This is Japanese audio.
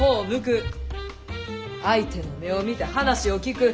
相手の目を見て話を聞く。